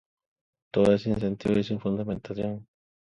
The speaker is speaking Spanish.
Todo es sin sentido y "sin fundamentación".